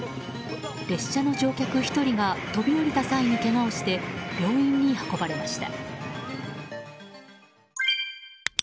列車の乗客１人が飛び降りた際にけがをして病院に運ばれました。